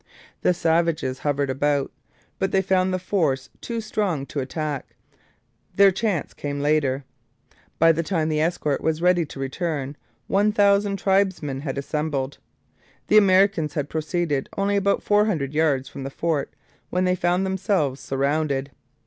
The savages hovered about, but they found the force too strong to attack. Their chance came later. By the time the escort was ready to return, one thousand tribesmen had assembled. The Americans had proceeded only about four hundred yards from the fort when they found themselves surrounded.